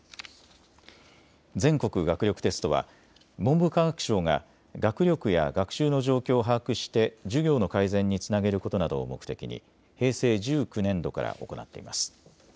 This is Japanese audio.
全国学力テストは文部科学省が学力や学習の状況を把握して授業の改善につなげることなどを目的に平成１９年度から行っています。